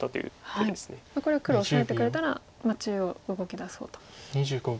これは黒オサえてくれたら中央動きだそうと。